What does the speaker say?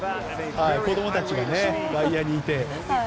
子供たちが外野にいて。